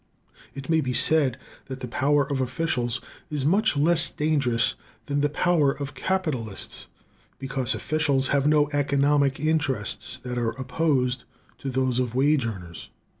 It may be said that the power of officials is much less dangerous than the power of capitalists, because officials have no economic interests that are opposed to those of wage earners.